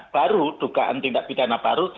baru dugaan tindak pidana